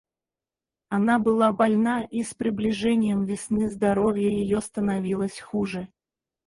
Она была больна, и с приближением весны здоровье ее становилось хуже.